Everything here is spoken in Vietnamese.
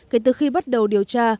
kể từ khi bắt đầu điều tra